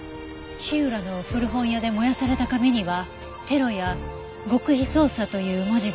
火浦の古本屋で燃やされた紙には「テロ」や「極秘捜査」という文字が書かれていたわ。